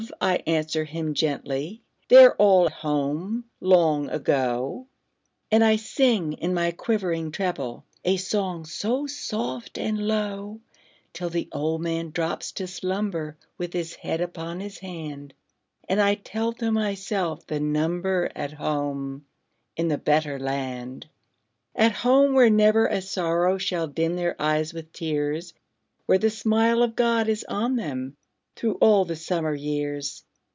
I answer him gently, "They're all home long ago;" And I sing, in my quivering treble, A song so soft and low, Till the old man drops to slumber, With his head upon his hand, And I tell to myself the number At home in the better land. At home, where never a sorrow Shall dim their eyes with tears! Where the smile of God is on them Through all the summer years!